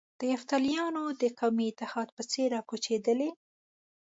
د یفتلیانو د قومي اتحاد په څېر را کوچېدلي.